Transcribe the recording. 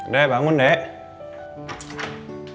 dek bangun dek